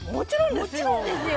もちろんですよ。